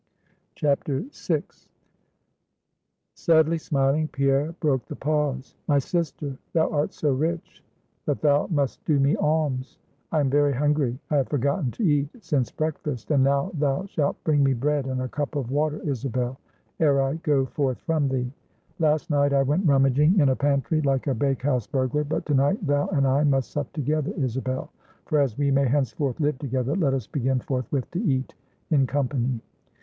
VI. Sadly smiling, Pierre broke the pause. "My sister, thou art so rich, that thou must do me alms; I am very hungry; I have forgotten to eat since breakfast; and now thou shalt bring me bread and a cup of water, Isabel, ere I go forth from thee. Last night I went rummaging in a pantry, like a bake house burglar; but to night thou and I must sup together, Isabel; for as we may henceforth live together, let us begin forthwith to eat in company."